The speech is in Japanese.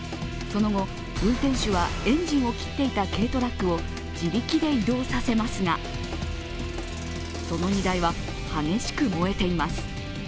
その後、運転手はエンジンを切っていた軽トラックを自力で移動させますがその荷台は激しく燃えています。